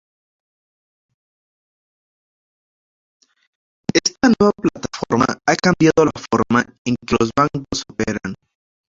Esta nueva plataforma ha cambiado la forma en que los bancos operan.